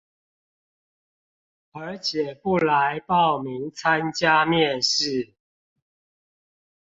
而且不來報名參加面試